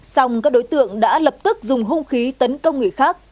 xong các đối tượng đã lập tức dùng hung khí tấn công người khác